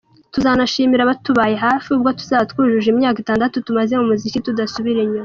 Tuzanashimira abatubaye hafi ubwo tuzaba twujuje imyaka itandatu tumaze mu muziki tudasubira inyuma.